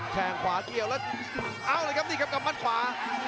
แข่งขวาเกี่ยวแล้วเอาเลยครับนี่ครับกำมัดขวา